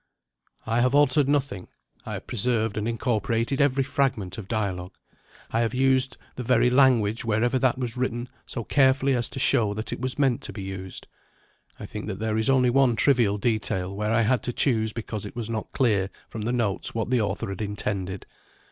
I have altered nothing. I have preserved and incorporated every fragment of dialogue. I have used the very language wherever that was written so carefully as to show that it was meant to be used. I think that there is only one trivial detail where I had to choose because it was not clear from the notes what the author had intended.